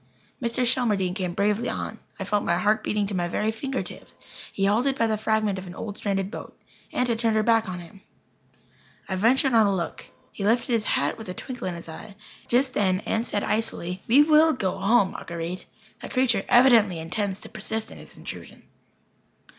Mr. Shelmardine came bravely on. I felt my heart beating to my very finger tips. He halted by the fragment of an old stranded boat. Aunt had turned her back on him. I ventured on a look. He lifted his hat with a twinkle in his eye. Just then Aunt said, icily: "We will go home, Marguer_ite_. That creature evidently intends to persist in his intrusion."